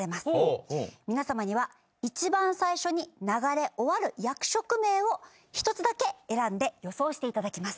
皆さまには一番最初に流れ終わる役職名を１つだけ選んで予想していただきます。